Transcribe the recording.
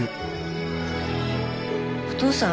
お義父さん